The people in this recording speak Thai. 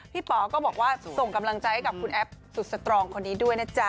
ป๋อก็บอกว่าส่งกำลังใจให้กับคุณแอฟสุดสตรองคนนี้ด้วยนะจ๊ะ